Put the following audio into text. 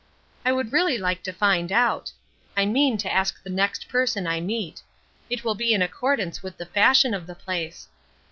I would really like to find out. I mean to ask the next person I meet. It will be in accordance with the fashion of the place.